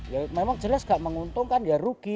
ya memang jelas gak menguntungkan ya rugi